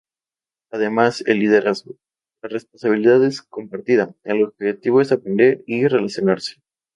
Además el liderazgo, la responsabilidad es compartida, el objetivo es aprender y relacionarse.